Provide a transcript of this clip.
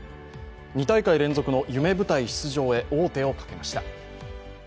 ２大会連続の夢舞台出場へ、王手をかけました。